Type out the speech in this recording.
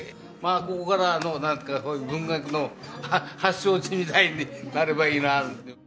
ここから文学の発祥地みたいになればいいなあ。